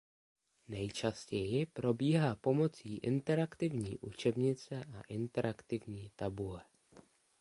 Nejčastěji probíhá pomocí interaktivní učebnice a interaktivní tabule.